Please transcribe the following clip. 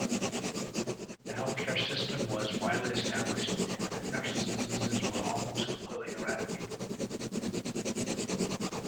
The health care system was widely established and infectious diseases were almost completely eradicated.